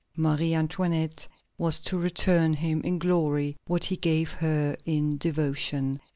Marie Antoinette was to return him in glory what he gave her in devotion.